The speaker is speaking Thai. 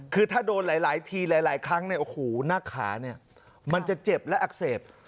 คือถ้าโดนหลายทีหลายครั้งเนี่ยโอ้โหหน้าขาเนี่ยมันจะเจ็บและอักเสบ